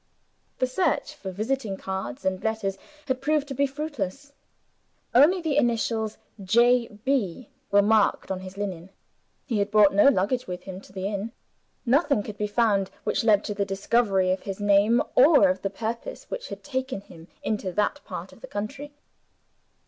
The search for visiting cards and letters had proved to be fruitless. Only the initials, "J. B.," were marked on his linen. He had brought no luggage with him to the inn. Nothing could be found which led to the discovery of his name or of the purpose which had taken him into that part of the country.